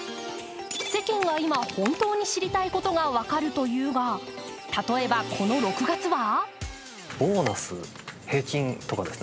世間が今、本当に知りたいことが分かるというが例えば、この６月は？